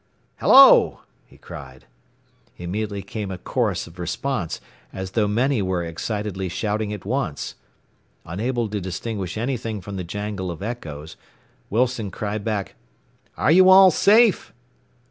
"Hello!" he cried. Immediately came a chorus of response, as though many were excitedly shouting at once. Unable to distinguish anything from the jangle of echoes, Wilson cried back, "Are you all safe?"